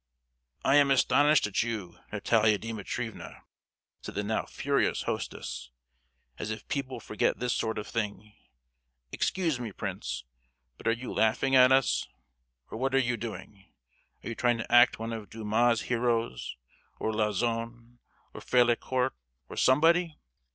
"I am astonished at you, Natalia Dimitrievna!" said the now furious hostess. "As if people forget this sort of thing! Excuse me, Prince, but are you laughing at us, or what are you doing? Are you trying to act one of Dumas' heroes, or Lauzun or Ferlacourt, or somebody?